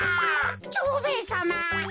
蝶兵衛さま